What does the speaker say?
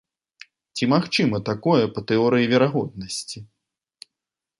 Ці магчыма такое па тэорыі верагоднасці?